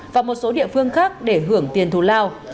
và một số địa phương khác để hưởng tiền thù lao